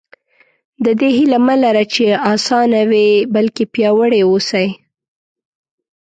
د دې هیله مه لره چې اسانه وي بلکې پیاوړي اوسئ.